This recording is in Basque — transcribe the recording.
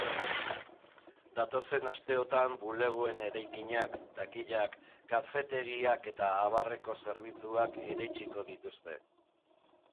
Datozen asteotan bulegoen erakinak, takilak, kafetegiak eta abarreko zerbitzuak eraitsiko dituzte.